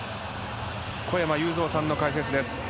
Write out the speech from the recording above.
小山裕三さんの解説です。